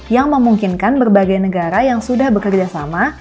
yang memungkinkan berbagai negara yang sudah bekerjasama